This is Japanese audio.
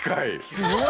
すごい。